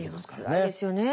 つらいですよね。